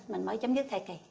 mình mới chấm dứt thai kỳ